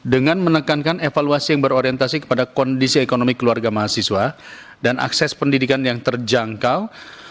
dengan menekankan evaluasi yang berorientasi kepada kondisi ekonomi keluarga mahasiswa dan akses pendidikan yang terjangkau